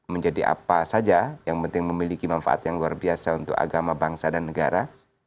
menjadi apa saja yang penting memiliki manfaat yang luar biasa untuk agama bangsa dan negara